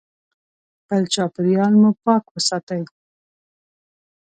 خپل چاپیریال مو پاک وساتئ.